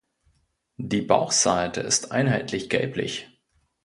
Die Bauchseite ist einheitlich gelblich.